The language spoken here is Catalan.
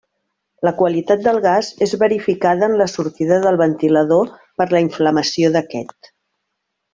La qualitat del gas és verificada en la sortida del ventilador per la inflamació d'aquest.